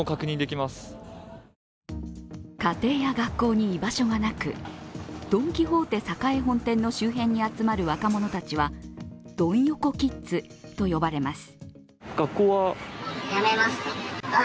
家庭や学校に居場所がなくドン・キホーテ栄本店の周辺に集まる若者たちはドン横キッズと呼ばれます。